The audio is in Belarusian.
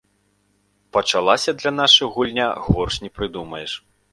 Пачалася для нашых гульня горш не прыдумаеш.